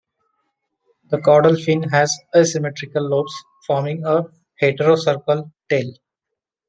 The caudal fin has asymmetrical lobes, forming a heterocercal tail.